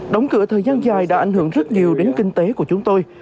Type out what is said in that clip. đóng cửa thời gian dài đã ảnh hưởng rất nhiều đến kinh tế của chúng tôi